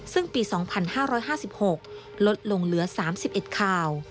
ซึ่งปี๒๕๕๖ลดลงเหลือ๓๑ข่าว